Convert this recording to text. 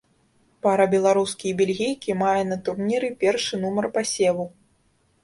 Пара беларускі і бельгійкі мае на турніры першы нумар пасеву.